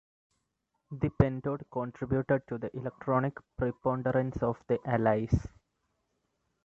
The pentode contributed to the electronic preponderance of the Allies.